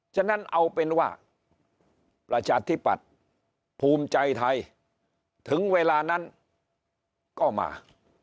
ฉะนั้นเอาเป็นว่าประชาธิปัตย์ภูมิใจไทยถึงเวลานั้นก็มา